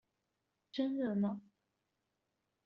真熱鬧